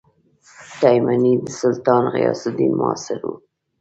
تایمنى د سلطان غیاث الدین معاصر وو.